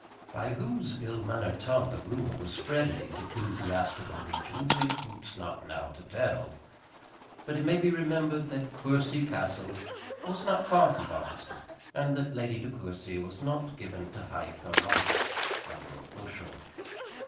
By whose ill mannered tongue the rumour was spread in these ecclesiastical regions it boots not now to tell. But it may be remembered that Courcy Castle was not far from Barchester, and that Lady De Courcy was not given to hide her lights under a bushel.